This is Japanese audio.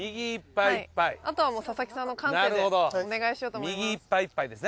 あとはもう佐々木さんの感性でお願いしようと思います。